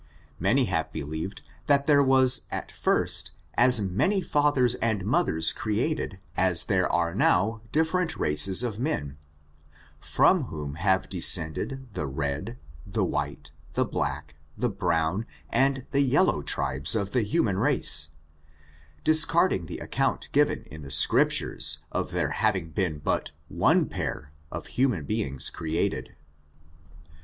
Many have believed, that there was at first as many fa* ikers and mothers created as there are now different races of men, from whom have descended the red, the tchile, the black, the brotcn, and the yellow tribes of the human race, discarding the account given in the Scriptures of there hav ing been but one pair of human beings created.